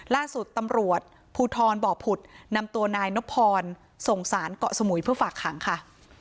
ล่าสุดตำรวจภูทรบ่อผุดนำตัวนายนพรส่งสารเกาะสมุยเพื่อฝากขังค่ะ